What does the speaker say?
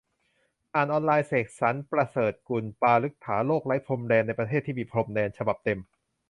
อ่านออนไลน์ เสกสรรค์ ประเสริฐกุล ปาฐกถา "โลกไร้พรมแดนในประเทศที่มีพรมแดน" ฉบับเต็ม